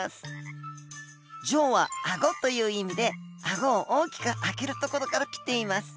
「ジョー」は「あご」という意味であごを大きく開けるところからきています。